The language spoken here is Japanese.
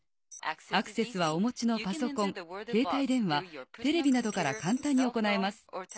アクセスはお持ちのパソコン携帯電話テレビなどから簡単に行えます。